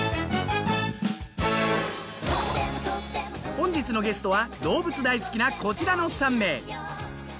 本日のゲストは動物大好きなこちらの３名。